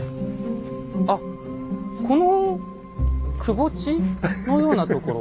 あっこのくぼ地のようなところ。